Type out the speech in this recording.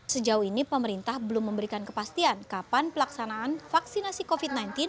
sejauh ini pemerintah belum memberikan kepastian kapan pelaksanaan vaksinasi covid sembilan belas